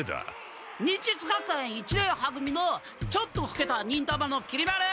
忍術学園一年は組のちょっとふけた忍たまのきり丸！